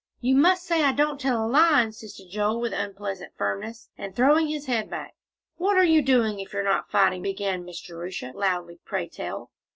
"You must say I don't tell a lie," insisted Joel with unpleasant firmness, and throwing his head back. "What are you doing, if you're not fighting?" began Miss Jerusha, loudly; "pray tell."